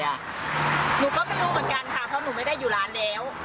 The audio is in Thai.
หนูก็ไม่รู้เหมือนกันค่ะเพราะหนูไม่ได้อยู่ร้านแล้ว